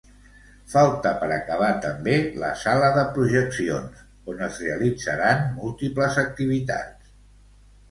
Falta per acabar també la sala de projeccions, on es realitzaran múltiples activitats.